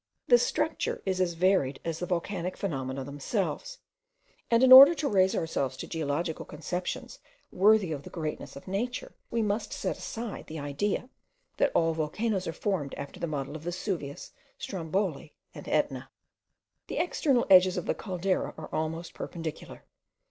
This structure is as varied as the volcanic phenomena themselves; and in order to raise ourselves to geological conceptions worthy of the greatness of nature, we must set aside the idea that all volcanoes are formed after the model of Vesuvius, Stromboli, and Etna. The external edges of the Caldera are almost perpendicular.